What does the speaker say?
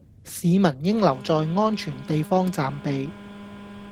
市民應留在安全地方暫避